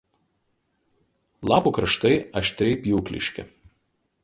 Lapų kraštai aštriai pjūkliški.